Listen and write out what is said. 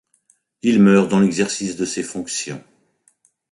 Il meurt dans l'exercice de ses fonctions.